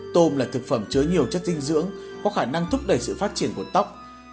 tôm là thực phẩm chứa nhiều chất dinh dưỡng có khả năng thúc đẩy sự phát triển của tóc